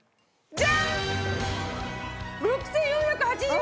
６４８０円！